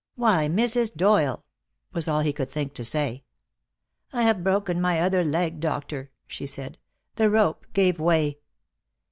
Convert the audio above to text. "Why, Mrs. Doyle!" was all he could think to say. "I have broken my other leg, doctor," she said, "the rope gave way."